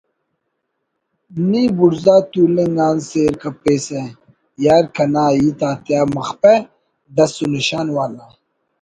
نی بڑزا تولنگ آن سیر کپیسہ یار کنا ہیت آتیا مخپہ ڈس و نشان والا